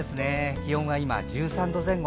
気温が今１３度前後。